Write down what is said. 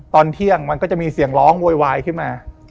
ตอนเที่ยงมันก็จะมีเสียงร้องโวยวายขึ้นมา